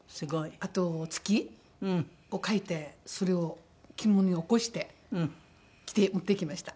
あと月を描いてそれを着物に起こして着て持っていきました。